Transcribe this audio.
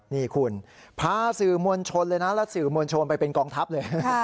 นี่คุณพาสื่อมวลชนไปเป็นกองทัพเลย